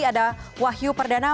ada wahyu perdana